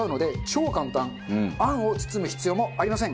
あんを包む必要もありません。